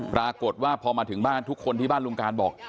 ปรากฏว่าพอมาถึงบ้านทุกคนที่บ้านลุงการบอก